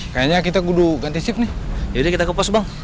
bayi yang ada di dalam kandungan bu lady tidak bisa diselamatkan